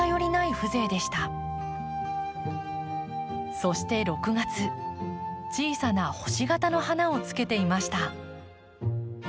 そして６月小さな星形の花をつけていました。